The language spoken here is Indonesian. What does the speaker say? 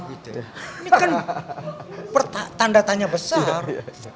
ini kan pertanda tanya besar